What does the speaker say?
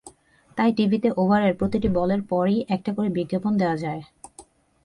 তাই টিভিতে ওভারের প্রতিটি বলের পরই একটা করে বিজ্ঞাপন দেওয়া যায়।